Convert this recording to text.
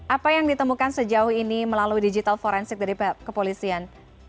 apa yang ditemukan sejauh ini melalui digital forensik dari kepolisian